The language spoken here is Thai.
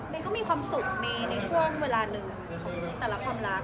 ก็มีความสุขในช่วงเวลาหนึ่งของแต่ละความรัก